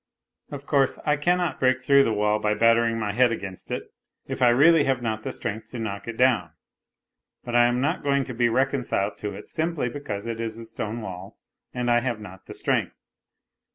Of course I cannot break through the wall by battering my head against it if I reaDy hare not the strength to knock it down, but I am not going to be reconciled to it simply because it is a stone wall and I have not the strength.